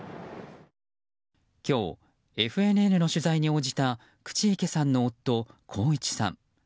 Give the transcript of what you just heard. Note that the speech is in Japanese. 今日、ＦＮＮの取材に応じた口池さんの夫・幸一さん。